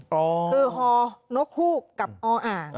คือฮอนกฮูกกับออ่าง